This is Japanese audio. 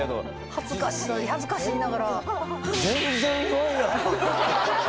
「恥ずかしい恥ずかしい」言いながら。